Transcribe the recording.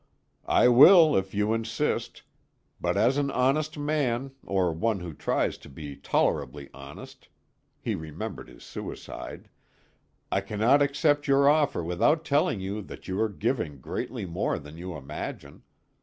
"I will if you insist. But as an honest man, or one who tries to be tolerably honest" he remembered his suicide "I cannot accept your offer without telling you that you are giving greatly more than you imagine.